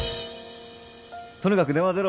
「とにかく電話出ろ」